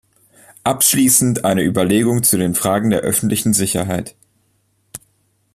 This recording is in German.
Abschließend eine Überlegung zu den Fragen der öffentlichen Sicherheit.